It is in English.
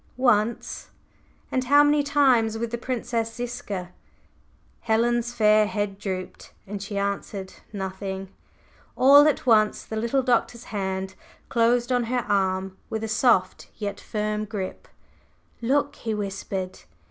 "Once." "And how many times with the Princess Ziska?" Helen's fair head drooped, and she answered nothing. All at once the little Doctor's hand closed on her arm with a soft yet firm grip. "Look!" he whispered.